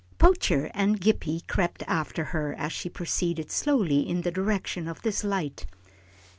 Poacher and Gippie crept after her as she proceeded slowly in the direction of this light.